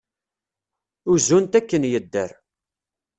Uzun-t akken yedder.